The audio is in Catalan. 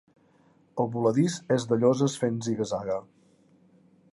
El voladís és de lloses fent ziga-zaga.